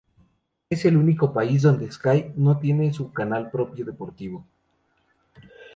Es el único país donde Sky no tiene su canal propio deportivo.